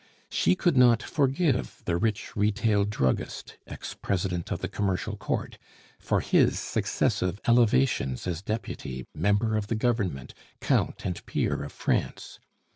She could not forgive the rich retail druggist, ex president of the Commercial Court, for his successive elevations as deputy, member of the Government, count and peer of France.